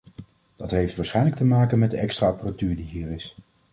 Dat heeft waarschijnlijk te maken met de extra apparatuur die hier is.